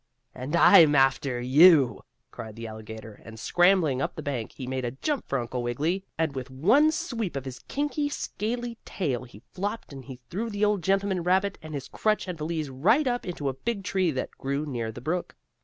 "And I'm after you!" cried the alligator, and, scrambling up the bank, he made a jump for Uncle Wiggily, and with one sweep of his kinky, scaly tail he flopped and he threw the old gentleman rabbit and his crutch and valise right up into a big tree that grew near the brook.